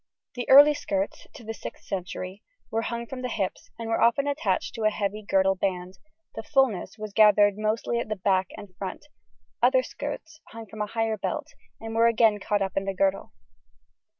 The early skirts (to the 6th century) were hung from the hips, and were often attached to a heavy girdle band, the fullness was gathered mostly at the back and front; other skirts hung from a higher belt and were again caught up in the girdle.